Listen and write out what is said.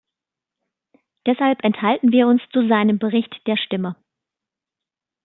Deshalb enthalten wir uns zu seinem Bericht der Stimme.